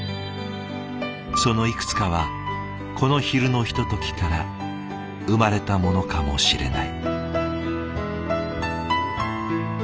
そのいくつかはこの昼のひとときから生まれたものかもしれない。